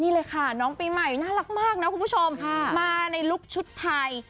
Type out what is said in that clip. นี่เลยค่ะน้องปีใหม่น่ารักมากนะคุณผู้ชมมาในลุคชุดไทย